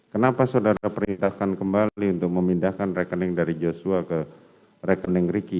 kenapa saudara perintahkan kembali untuk memindahkan rekening dari joshua ke rekening ricky